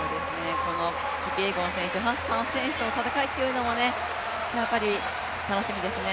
このキピエゴン選手、ハッサン選手との戦いもやっぱり楽しみですね。